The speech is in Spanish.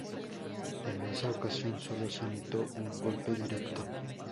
En esa ocasión solo se anotó un golpe directo.